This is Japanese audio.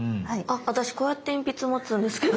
私こうやって鉛筆を持つんですけど。